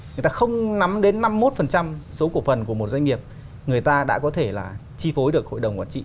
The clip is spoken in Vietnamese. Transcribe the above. nắm đến năm mươi một số cổ phần của một doanh nghiệp người ta đã có thể là chi phối được hội đồng quản trị